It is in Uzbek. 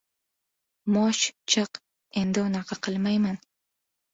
Mosh, chiq. Endi unaqa qilmayman.